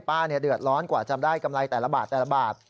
ป้าเดือดร้อนกว่าจะได้กำไรแต่ละบาท